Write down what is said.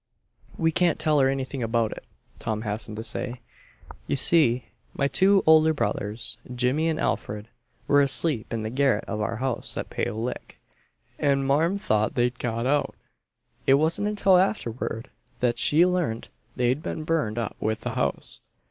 "We can't tell her anything about it," Tom hastened to say. "You see, my two older brothers, Jimmy and Alfred, were asleep in the garret of our house at Pale Lick, and marm thought they'd got out. It wasn't until afterward that she learned they'd been burned up with the house.